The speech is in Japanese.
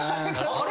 あれ？